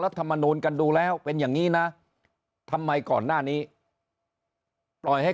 รัฐมนูลกันดูแล้วเป็นอย่างนี้นะทำไมก่อนหน้านี้ปล่อยให้